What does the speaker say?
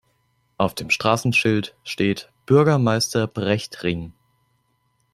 Auf dem Straßenschild steht Bürgermeister-Brecht-Ring.